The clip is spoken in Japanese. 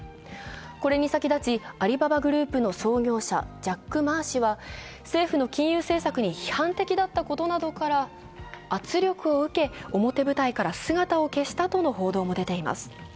これに先立ちアリババグループの創業者・ジャック・マー氏は政府の金融政策に批判的だったことなどから圧力を受け表舞台から姿を消したとの報道も出ています。